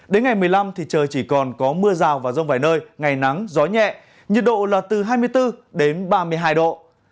đến ngày một mươi năm thì trời chỉ còn có mưa rào và rông vài nơi ngày nắng gió nhẹ nhiệt độ là từ hai mươi bốn đến ba mươi hai độ